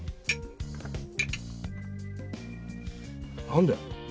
何で？